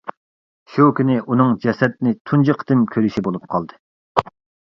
شۇ كۈنى ئۇنىڭ جەسەتنى تۇنجى قېتىم كۆرۈشى بولۇپ قالدى.